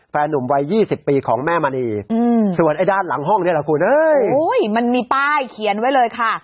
หนุ่มวัย๒๐ปีของแม่มณีส่วนไอ้ด้านหลังห้องนี้แหละคุณมันมีป้ายเขียนไว้เลยค่ะ